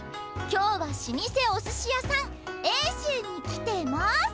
今日は老舗お寿司屋さん「英集」に来てます！